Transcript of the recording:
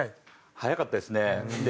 速かったですね。